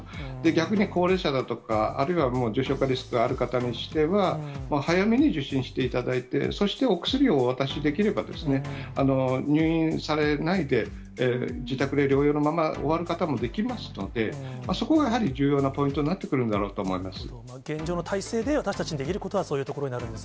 逆に高齢者だとか、あるいは重症化リスクがある方にしては、早めに受診していただいて、そしてお薬をお渡しできれば、入院されないで自宅で療養のまま終わる方もできますので、そこがやはり重要なポイントになってくるんだろうと思います。